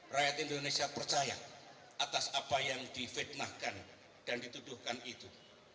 rakyat indonesia percaya atas apa yang difitnahkan dan dituduhkan itu